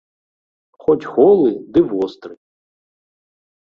Хоць голы, ды востры.